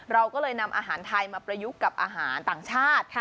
เราก็เลยนำอาหารไทยมาประยุกต์กับอาหารต่างชาติ